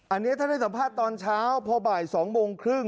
อันนี้ท่านได้สัมภาษณ์ตอนเช้าพอบ่าย๒๓๐น